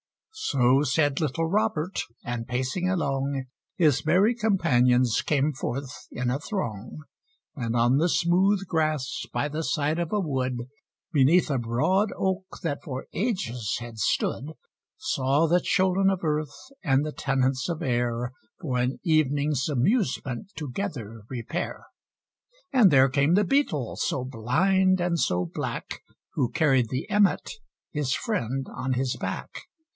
So said little Robert, and pacing along, His merry Companions came forth in a throng, And on the smooth Grass by the side of a Wood, Beneath a broad oak that for ages had stood, Saw the Children of Earth and the Tenants of Air For an Evening's Amusement together repair. And there came the Beetle, so blind and so black, Who carried the Emmet, his friend, on his back.